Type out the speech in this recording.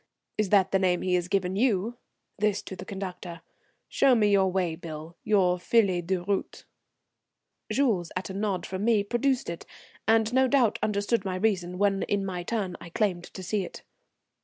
Is that the name he has given you?" this to the conductor. "Show me your way bill, your feuille de route." Jules at a nod from me produced it, and no doubt understood my reason when in my turn I claimed to see it.